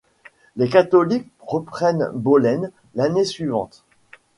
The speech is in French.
Les catholiques reprennent Bollène l’année suivante.